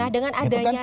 nah dengan adanya